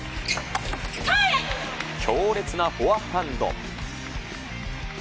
強烈なフォアハンド。